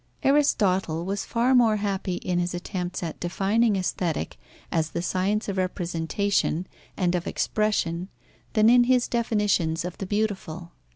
Aristotle was far more happy in his attempts at defining Aesthetic as the science of representation and of expression than in his definitions of the beautiful.